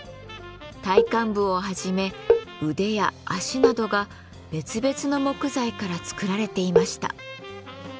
体幹部をはじめ腕や足などが別々の木材から造られていました。